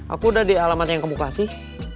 aku udah di alamat yang kamu kasih